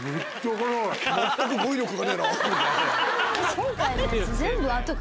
今回のやつ。